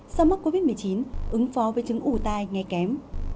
sau mắc covid một mươi chín ứng phó với chứng ủ tai nghe kém